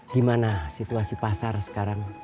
gimana situasi pasar sekarang